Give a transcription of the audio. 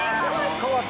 変わった！